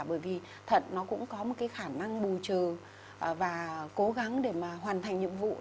bởi vì thật nó cũng có một cái khả năng bù trừ và cố gắng để mà hoàn thành nhiệm vụ